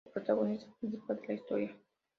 El protagonista principal de la historia.